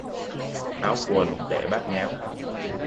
Áo quần để bát nháo